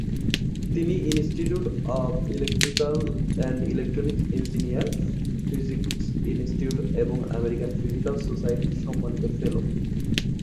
তিনি institute of electrical and electronics engineers, physics institute এবং American physical সোসাইটির সম্মানিত ফেলো।